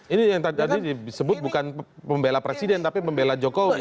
ini yang tadi disebut bukan pembela presiden tapi membela jokowi